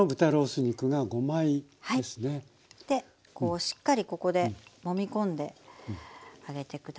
こうしっかりここでもみ込んであげて下さい。